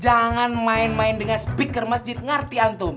jangan main main dengan speaker masjid ngarti antum